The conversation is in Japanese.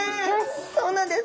そうなんです。